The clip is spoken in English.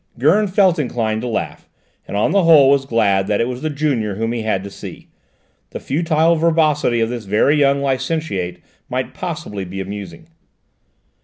Gurn felt inclined to laugh, and on the whole was glad that it was the junior whom he had to see; the futile verbosity of this very young licentiate might possibly be amusing.